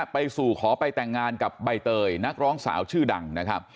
ไปสู่ขอไปแต่งงานกับใบเตยนักร้องสาวชื่อดังนะครับ